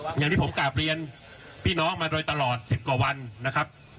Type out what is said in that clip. อย่างที่ผมกลับเรียนพี่น้องมาโดยตลอด๑๐กว่าวันนะครับ